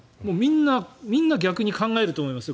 みんな逆に考えると思いますよ。